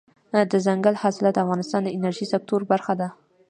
دځنګل حاصلات د افغانستان د انرژۍ سکتور برخه ده.